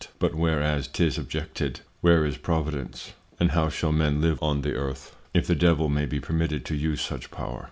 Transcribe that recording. But whereas 'tis objected; where is Providence? And how shall Men live on the Earth, if the Devil may be permitted to use such Power?